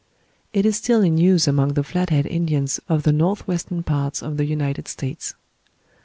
It is still in use among the Flat head Indians of the north western part of the United States.